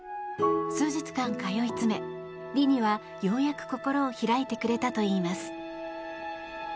数日間通い詰めリニはようやく心を開いてくれたといいます。